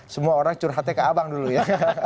semua orang curhatnya ke abang dulu ya